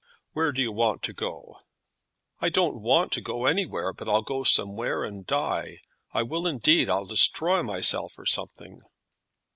"Where do you want to go?" "I don't want to go anywhere, but I'll go away somewhere and die; I will indeed. I'll destroy myself, or something."